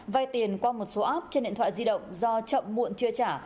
vay tiền qua một số app trên điện thoại di động do chậm muộn chưa trả